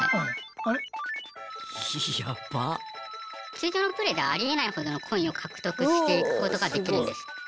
通常のプレーではありえないほどのコインを獲得していくことができるんです。